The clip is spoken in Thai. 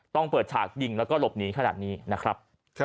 เปิดฉากยิงแล้วก็หลบหนีขนาดนี้นะครับ